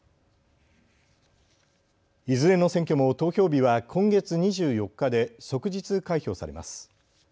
いずれの選挙も投票日は今月２４日で即日開票されます。